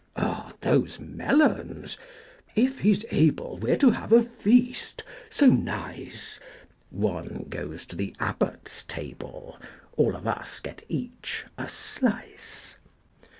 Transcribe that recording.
VI. Oh, those melons? If he's able We're to have a feast! so nice! One goes to the Abbot's table, All of us get each a slice.